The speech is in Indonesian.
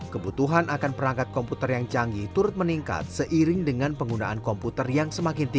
kebutuhan akan perangkat komputer yang canggih turut meningkat seiring dengan penggunaan komputer yang semakin tinggi